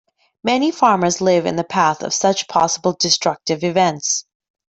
Many farmers live in the paths of such possible destructive events.